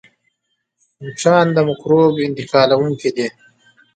مچان د مکروب انتقالوونکي دي